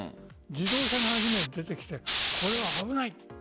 自動車が初めてできてこれは危ないって。